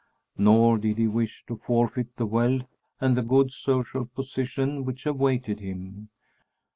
Nor did he wish to forfeit the wealth and the good social position which awaited him.